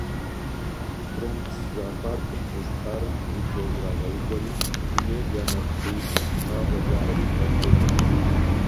Бронкс зоопаркым гъущӏ хъарым гъуджэ ирагъэувэри «Дунейм я нэхъ псэущхьэ шынагъуэ» жаӏэри тратхэжащ.